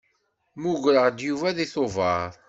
Mugreɣ-d Yuba deg Tuber.